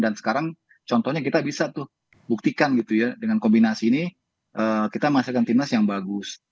dan sekarang contohnya kita bisa tuh buktikan gitu ya dengan kombinasi ini kita menghasilkan tim nas yang bagus